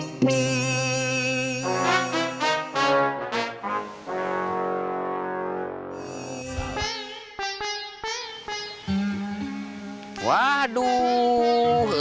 tidak ada yang bisa ngaji